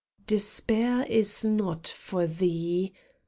Despair is not for thee